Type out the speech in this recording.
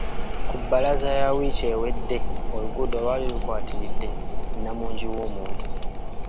Ku bbalaza ya wiiki ewedde oluguudo lwali lukwatiridde nnamungi w'omuntu.